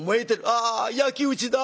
「あ焼き打ちだ。